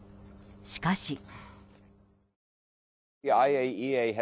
しかし。